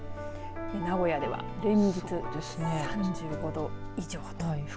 名古屋では連日３５度以上となります。